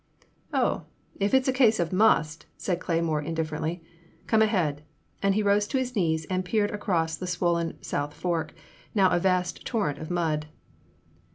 " Oh, if it 's a case of must," said Cleymore in differently, "come ahead," and he rose to his knees and peered across the swollen South Fork, now a vast torrent of mud.